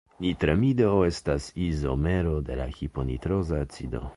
Nitramido estas izomero de la hiponitroza acido.